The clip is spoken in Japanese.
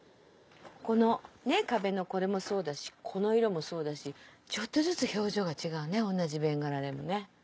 ここの壁のこれもそうだしこの色もそうだしちょっとずつ表情が違うね同じベンガラでもね。